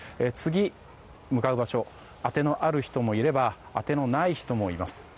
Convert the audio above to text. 次、向かう場所あてのある人もいればあてのない人もいます。